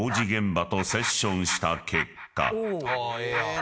ええやん。